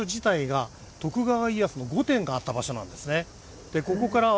この場所自体が徳川家康の御殿があった場所なんです。